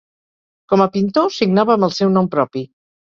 Com a pintor, signava amb el seu nom propi.